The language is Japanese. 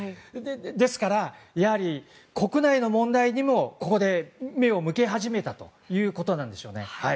ですから、国内の問題にもここで目を向け始めたということなんでしょうね。